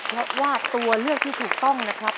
เพราะว่าตัวเลือกที่ถูกต้องนะครับ